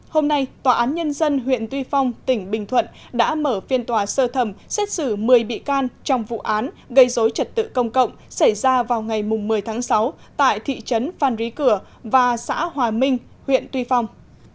hôm nay tòa án nhân dân huyện tuy phong tỉnh bình thuận đã mở phiên tòa sơ thẩm xét xử một mươi bị can trong vụ án gây dối trật tự công cộng xảy ra vào ngày một mươi tháng sáu tại thị trấn phan rí cửa và xã hòa minh huyện tuy phong